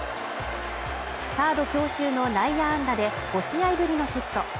サード強襲の内野安打で５試合ぶりのヒット